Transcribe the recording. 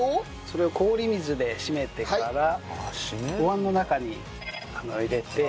それを氷水でしめてからお椀の中に入れて。